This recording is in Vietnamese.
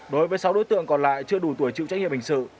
đối với sáu đối tượng còn lại chưa đủ tuổi chịu trách nhiệm hình sự